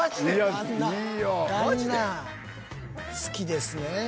［好きですね］